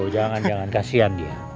jangan jangan kasian dia